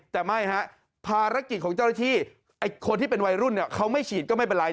แต่ไม่ฮะภารกิจของเจ้าหน้าที่ไอ้คนที่เป็นวัยรุ่นเขาไม่ฉีดก็ไม่เป็นไร